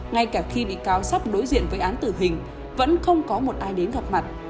ngay cả khi bị cáo sắp đối diện với án tử hình vẫn không có một ai đến gặp mặt